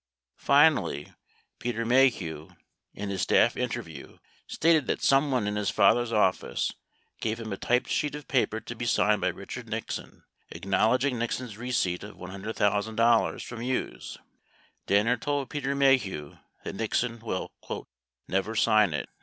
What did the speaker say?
74 Finally, Peter Maheu (in his staff interview) stated that someone in his father's office gave him a typed sheet of paper to be signed by Richard Nixon acknowledging Nixon's receipt of $100,000 from Hughes. 75 Danner told Peter Maheu that Nixon will "never sign it."